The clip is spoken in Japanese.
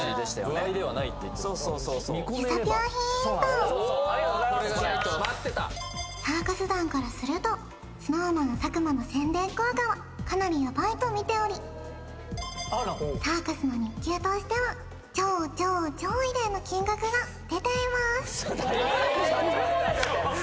歩合ではないってそうそうそうそうゆさぴょんヒーント待ってたサーカス団からするとＳｎｏｗＭａｎ佐久間の宣伝効果はかなりヤバいと見ておりサーカスの日給としては超超超異例の金額が出ていますウソでしょ